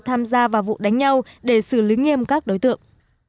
tham gia vào vụ đánh nhau để xử lý nghiêm các đối tượng